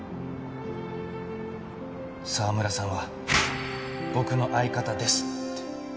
「澤村さんは僕の相方です」って。